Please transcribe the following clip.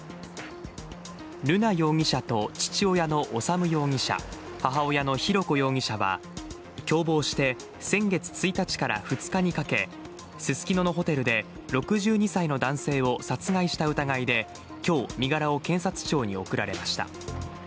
瑠奈容疑者と父親の修容疑者、母親の浩子容疑者は共謀して先月１日から２日にかけススキノのホテルで６２歳の男性を殺害した疑いで今日、身柄を検察庁に送られました。